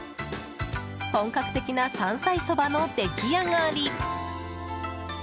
本格的な山菜そばの出来上がり。